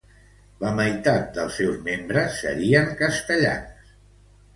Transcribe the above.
La meitat dels seus membres serien castellans.